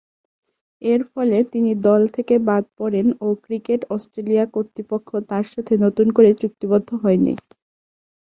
এরফলে তিনি দল থেকে বাদ পড়েন ও ক্রিকেট অস্ট্রেলিয়া কর্তৃপক্ষ তার সাথে নতুন করে চুক্তিবদ্ধ হয়নি।